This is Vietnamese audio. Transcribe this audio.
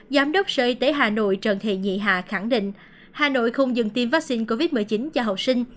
giám đốc sở y tế hà nội trần thị nhị hà khẳng định hà nội không dừng tiêm vaccine covid một mươi chín cho học sinh